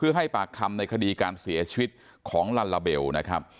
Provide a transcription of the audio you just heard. ให้ปากคำในคดีการเสียชีวิตของลัลลาเบลนะครับ